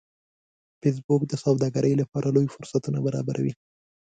فېسبوک د سوداګرۍ لپاره لوی فرصتونه برابروي